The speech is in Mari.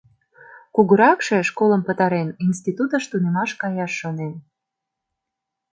Кугуракше, школым пытарен, институтыш тунемаш каяш шонен.